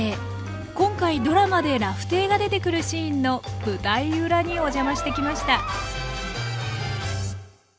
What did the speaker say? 今回ドラマで「ラフテー」が出てくるシーンの舞台裏にお邪魔してきました